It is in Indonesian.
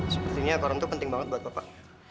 sepertinya koran itu penting banget buat bapaknya